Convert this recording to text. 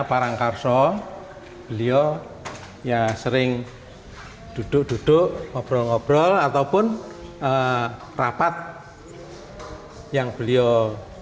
parangkarso beliau ya sering duduk duduk ngobrol ngobrol ataupun rapat yang beliau